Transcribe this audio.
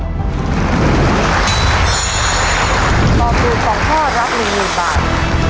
ตอบถูกสองข้อรับหนึ่งหนึ่งบาท